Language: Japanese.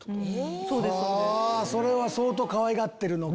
それは相当かわいがってるのか。